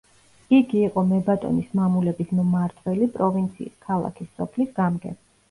იგი იყო მებატონის მამულების მმართველი, პროვინციის, ქალაქის, სოფლის გამგე.